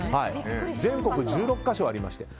全国１６か所ありまして